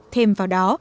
thêm vào đó